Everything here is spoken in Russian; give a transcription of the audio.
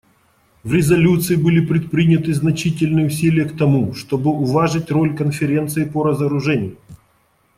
В резолюции были предприняты значительные усилия к тому, чтобы уважить роль Конференции по разоружению.